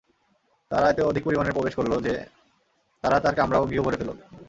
তারা এতে অধিক পরিমাণে প্রবেশ করল যে তারা তাঁর কামরা ও গৃহ ভরে ফেলল।